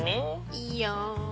いいよん。